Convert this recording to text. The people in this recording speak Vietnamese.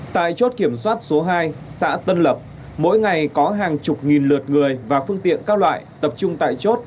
tại chốt kiểm soát số hai xã tân lập mỗi ngày có hàng chục nghìn lượt người và phương tiện các loại tập trung tại chốt